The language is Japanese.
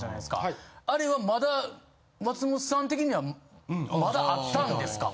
あれはまだ松本さん的にはまだあったんですか？